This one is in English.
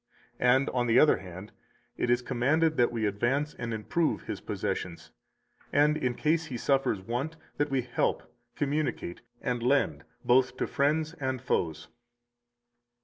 251 And, on the other hand, it is commanded that we advance and improve his possessions, and in case he suffers want, that we help, communicate, and lend both to friends and foes.